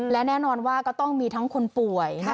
และแน่นอนว่าก็ต้องมีทั้งคนป่วย